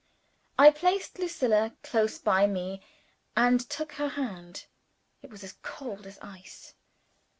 I placed Lucilla close by me, and took her hand. It was as cold as ice.